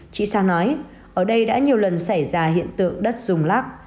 chị sao nói ở đây đã nhiều lần xảy ra hiện tượng đất rung lắc